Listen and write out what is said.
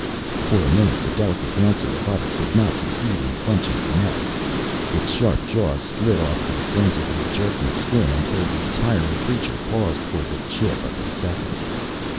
For a minute the delicate dancer above it could not succeed in clenching the neck. Its sharp jaws slid off the frenziedly jerking skin until the tiring creature paused for the chip of a second.